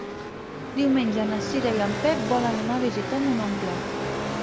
Diumenge na Cira i en Pep volen anar a visitar mon oncle.